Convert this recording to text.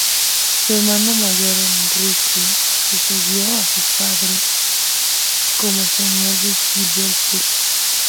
Su hermano mayor, Enrique, sucedió a su padre como señor de Gibelet.